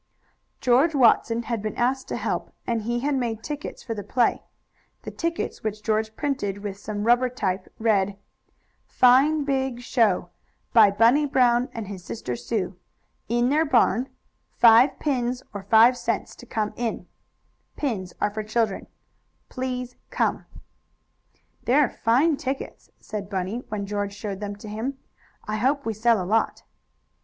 George Watson had been asked to help, and he had made tickets for the play. The tickets, which George printed with some rubber type, read: FINE BIG SHOW BY BUNNY BROWN AND HIS SISTER SUE In Their Barn Five Pins or Five Cents To Come In Pins Are for Children PLEASE COME "They're fine tickets," said Bunny, when George showed them to him. "I hope we sell a lot."